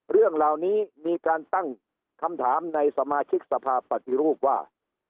เรื่องเหล่านี้มีการตั้งคำถามในสมาชิกสภาพปฏิรูปว่า